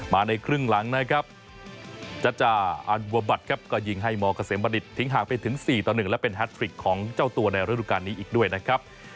ในครึ่งหลังนะครับจัจจาอันบัวบัตรครับก็ยิงให้มเกษมบัณฑิตทิ้งห่างไปถึง๔ต่อ๑และเป็นแฮทริกของเจ้าตัวในฤดูการนี้อีกด้วยนะครับ